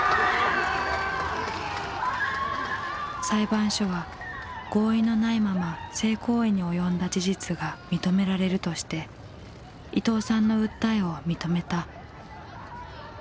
裁判所は「合意のないまま性行為に及んだ事実が認められる」として伊藤さんの訴えを認めた。